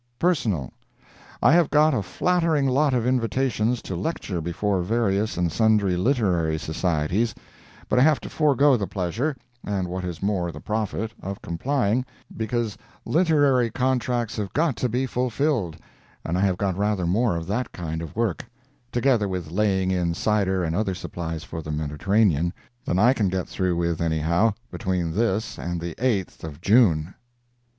PERSONAL I have got a flattering lot of invitations to lecture before various and sundry literary societies, but I have to forego the pleasure, and what is more, the profit, of complying, because literary contracts have got to be fulfilled, and I have got rather more of that kind of work (together with laying in cider and other supplies for the Mediterranean,) than I can get through with anyhow, between this and the 8th of June.